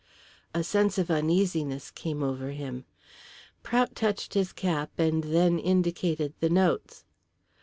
A sense of uneasiness came over him. Prout touched his cap and then indicated the notes.